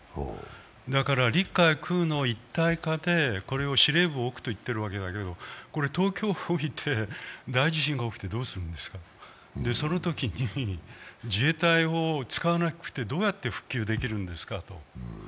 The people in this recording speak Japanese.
だから陸海空の一体化でこれを司令部を置くと言っているわけだけど、東京に置いて大地震が起きたらどうするんですか、そのときに自衛隊を使わなくてどうやって復旧できるんですかと。